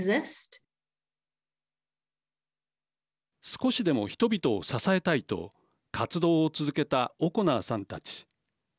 少しでも人々を支えたいと活動を続けたオコナーさんたち。